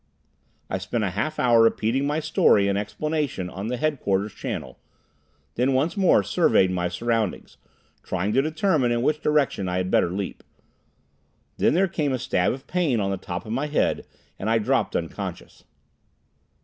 I spent a half hour repeating my story and explanation on the headquarters channel, then once more surveyed my surroundings, trying to determine in which direction I had better leap. Then there came a stab of pain on the top of my head, and I dropped unconscious.